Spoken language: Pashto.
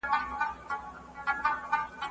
زه پرون پاکوالي ساتم وم؟